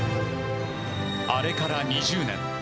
あれから２０年。